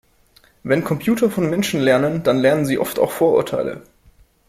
Wenn Computer von Menschen lernen, dann lernen sie oft auch Vorurteile.